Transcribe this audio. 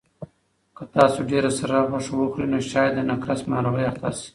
که تاسو ډېره سره غوښه وخورئ نو شاید د نقرس په ناروغۍ اخته شئ.